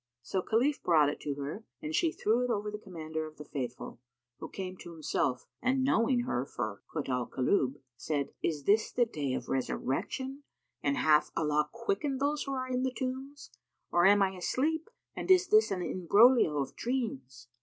So Khalif brought it to her and she threw it over the Commander of the Faithful, who came to himself and knowing her for Kut al Kulub, said, "Is this the Day of Resurrection and hath Allah quickened those who are in the tombs; or am I asleep and is this an imbroglio of dreams?"